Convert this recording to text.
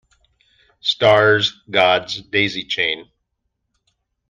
Stars God's daisy chain.